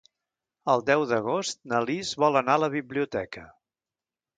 El deu d'agost na Lis vol anar a la biblioteca.